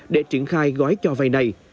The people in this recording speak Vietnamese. để triển khai gói cho vai này